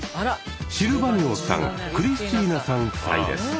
シルバ二オさんクリスチーナさん夫妻です。